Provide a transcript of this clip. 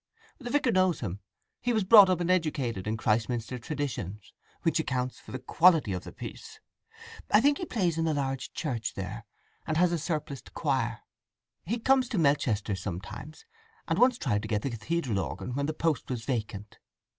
The vicar knows him. He was brought up and educated in Christminster traditions, which accounts for the quality of the piece. I think he plays in the large church there, and has a surpliced choir. He comes to Melchester sometimes, and once tried to get the cathedral organ when the post was vacant.